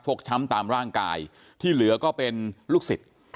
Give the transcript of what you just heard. ช้ำตามร่างกายที่เหลือก็เป็นลูกศิษย์